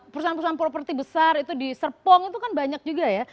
perusahaan perusahaan properti besar itu di serpong itu kan banyak juga ya